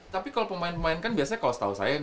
tapi kalau pemain pemain kan biasanya kalau setahu saya